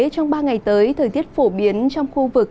trong ba ngày tới thời tiết phổ biến trong khu vực